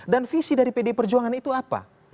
dan visi dari pd perjuangan itu apa